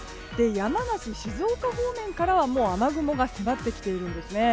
山梨、静岡方面からはもう雨雲が迫ってきているんですね。